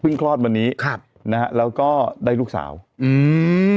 เพิ่งคลอดวันนี้นะครับแล้วก็ได้ลูกสาวอืม